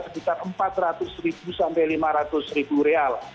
sekitar empat ratus sampai lima ratus real